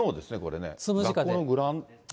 学校のグラウンド？